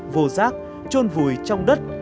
vô giác trôn vùi trong đất